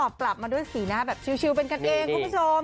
กลับมาด้วยสีหน้าแบบชิลเป็นกันเองคุณผู้ชม